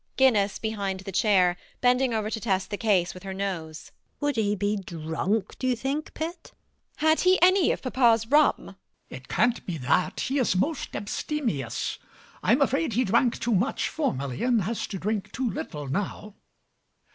GUINNESS [behind the chair; bending over to test the case with her nose]. Would he be drunk, do you think, pet? MRS HUSHABYE. Had he any of papa's rum? MAZZINI. It can't be that: he is most abstemious. I am afraid he drank too much formerly, and has to drink too little now.